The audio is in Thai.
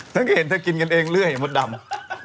ฉันก็เห็นเธอกินกันเองเลือดเหมือนมดดำ